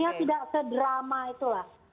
ya tidak se drama itulah